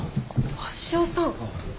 鷲尾さん？